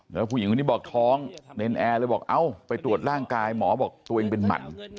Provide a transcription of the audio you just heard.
แล้วผู้หญิงคนนี้บอกท้องเนรนแอร์เลยบอกเอ้าไปตรวจร่างกายหมอบอกตัวเองเป็นหมั่น